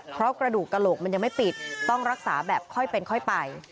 เพราะกระดูกกระโหลกมันยังไม่ปิดต้องรักษาแบบค่อยเป็นค่อยไป